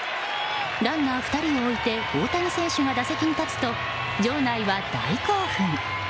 ランナー２人を置いて大谷選手が打席に立つと場内は大興奮。